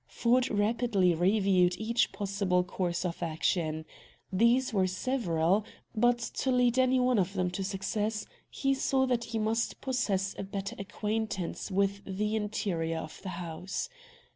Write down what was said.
Ford rapidly reviewed each possible course of action. These were several, but to lead any one of them to success, he saw that he must possess a better acquaintance with the interior of the house.